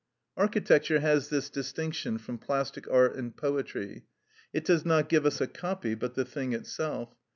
Architecture has this distinction from plastic art and poetry: it does not give us a copy but the thing itself.